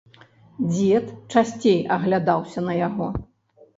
Дзед часцей аглядаўся на яго.